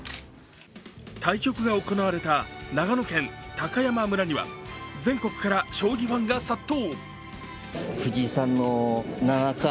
対局が行われた長野県高山村には、全国から将棋ファンが殺到。